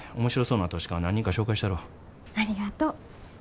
ありがとう。